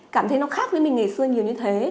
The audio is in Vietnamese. cảm thấy nó khác với mình ngày xưa nhiều như thế